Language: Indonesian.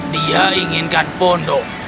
dia inginkan pondok